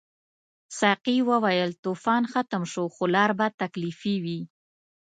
ساقي وویل طوفان ختم شو خو لار به تکلیفي وي.